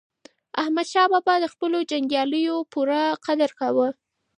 احمدشاه بابا د خپلو جنګیالیو پوره قدر کاوه.